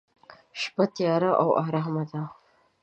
شپه تیاره او ارامه ده.